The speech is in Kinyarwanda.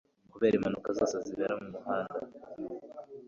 kubera impanuka zose zibera mubugande